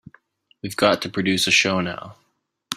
We've got to produce a show now.